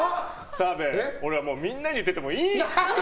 澤部、俺はみんなに言っててもいい。